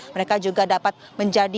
mereka juga dapat menjaga